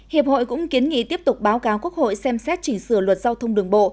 hiệp hội cũng kiến nghị tiếp tục báo cáo quốc hội xem xét chỉnh sửa luật giao thông đường bộ